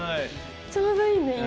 ちょうどいいね今。